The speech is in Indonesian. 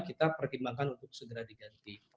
kita pertimbangkan untuk segera diganti